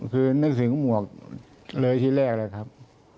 คือนึกถึงหมวกเลยที่แรกเลยครับ